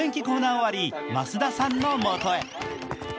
終わり、増田さんのもとへ。